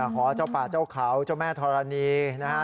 ขอเจ้าป่าเจ้าเขาเจ้าแม่ธรณีนะฮะ